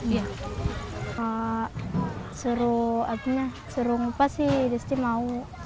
ya seru ngupas sih desti mau